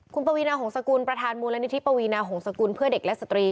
คุณปวีนาหงษกุลประธานมูลนิธิปวีนาหงษกุลเพื่อเด็กและสตรี